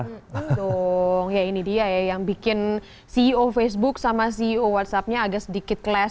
tunggu dong ya ini dia yang bikin ceo facebook sama ceo whatsappnya agak sedikit keles